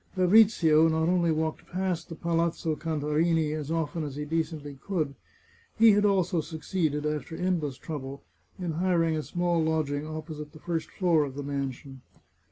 Fabrizio not only walked past the Palazzo Cantarini as often as he decently could ; he had also succeeded, after endless trouble, in hiring a small lodging opposite the first floor of the mansion.